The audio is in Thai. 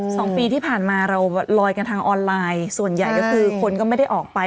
สองปีที่ผ่านมาเราลอยกันทางออนไลน์ส่วนใหญ่ก็คือคนก็ไม่ได้ออกไป